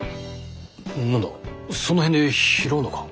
何だその辺で拾うのか？